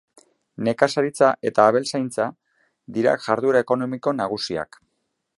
Nekazaritza eta abeltzaintza dira jarduera ekonomiko nagusiak.